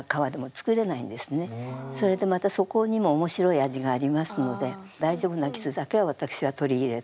それでまたそこにも面白い味がありますので大丈夫な傷だけは私は取り入れて。